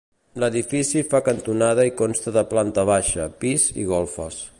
L'edifici fa cantonada i consta de planta baixa, pis i golfes.